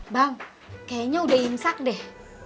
bang kayaknya udah imsak deh